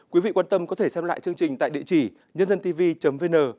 quý vị quan tâm có thể xem lại chương trình tại địa chỉ nhândântv vn